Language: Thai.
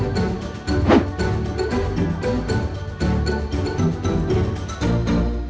เพื่อนรับทราบ